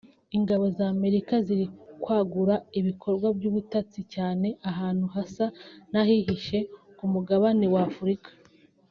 “Ingabo z’Amerika ziri kwagura ibikorwa by’ubutasi cyane ahantu hasa n’ahihishe ku mugabane w’Afurika